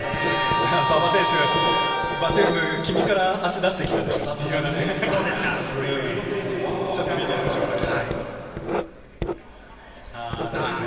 馬場選手、「バトゥーム、君から足出してきてたでしょ」っていう感じでしたね。